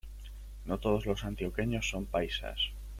No todos los antioqueños son paisas.